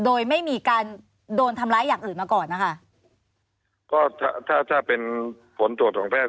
โดยไม่มีการโดนทำร้ายอย่างอื่นมาก่อนนะคะก็ถ้าถ้าเป็นผลตรวจของแพทย์